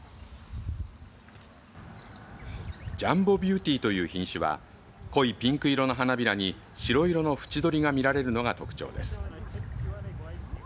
ジャンボビューティーという品種は濃いピンク色の花びらに白色の縁取りが見られるのが特徴です。